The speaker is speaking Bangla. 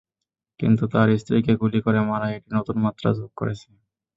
কিন্তু তাঁর স্ত্রীকে গুলি করে মারা, এটি নতুন মাত্রা যোগ করেছে।